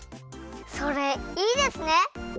それいいですね！